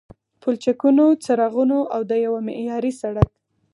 پلچکونو، څراغونو او د یوه معیاري سړک